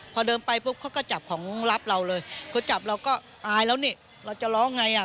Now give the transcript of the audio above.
พอเดินไปปุ๊บเขาก็จับของรับเราเลยเขาจับเราก็ตายแล้วนี่เราจะร้องไงอ่ะ